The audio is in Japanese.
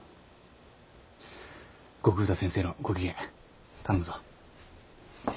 後工田先生のご機嫌頼むぞ。